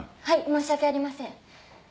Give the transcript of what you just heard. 申し訳ありません。